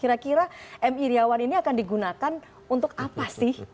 kira kira mi iryawan ini akan digunakan untuk apa sih